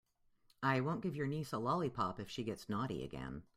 I won't give your niece a lollipop if she gets naughty again.